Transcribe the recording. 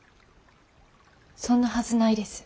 そんなはずないです。